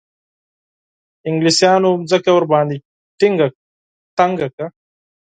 انګلیسیانو مځکه ورباندې تنګه کړه.